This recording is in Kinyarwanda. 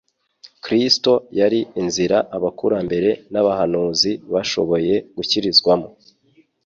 Kristo yari inzira abakurambere n'abahanuzi bashoboye gukirizwamo.